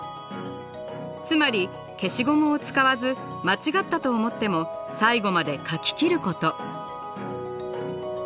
つまり消しゴムを使わず間違ったと思っても最後まで描き切ること。